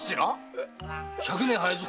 百年早いぞ！